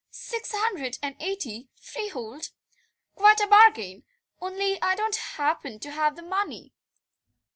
"Six hundred and eighty, freehold. Quite a bargain, only I don't happen to have the money."